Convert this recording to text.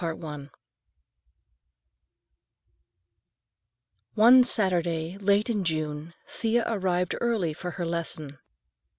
XI One Saturday, late in June, Thea arrived early for her lesson.